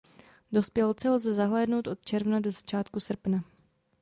Dospělce lze zahlédnout od června do začátku srpna.